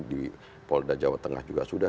di polda jawa tengah juga sudah